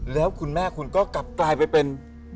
แล้วคุณแม่คุณก็กลับกลายไปเป็น